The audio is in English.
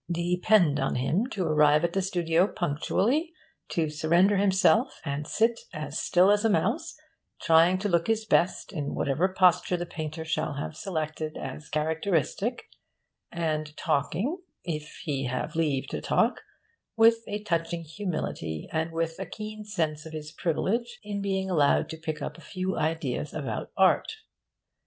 Depend on him to arrive at the studio punctually, to surrender himself and sit as still as a mouse, trying to look his best in whatever posture the painter shall have selected as characteristic, and talking (if he have leave to talk) with a touching humility and with a keen sense of his privilege in being allowed to pick up a few ideas about art.